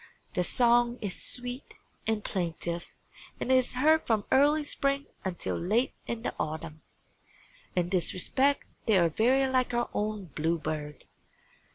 Their song is sweet and plaintive and is heard from early spring until late in the autumn. In this respect they are very like our own bluebird.